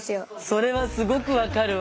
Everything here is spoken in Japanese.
それはすごくわかるわ。